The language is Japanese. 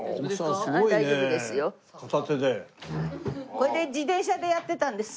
これで自転車でやってたんです。